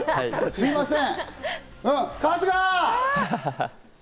すみません。